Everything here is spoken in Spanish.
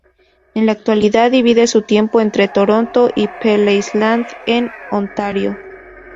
En la actualidad divide su tiempo entre Toronto y Pelee Island, en Ontario.